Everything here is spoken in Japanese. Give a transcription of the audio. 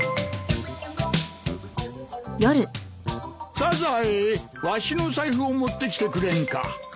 サザエわしの財布を持ってきてくれんか。